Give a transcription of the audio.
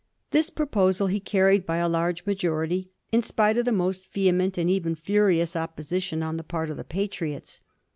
This proposal he carried by a large majority, in spite of the most vehement and even furious oppo sition on the part of the Patriots.